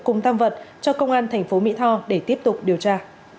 cùng tam vật cho công an tp mỹ tho để tiếp tục điều tra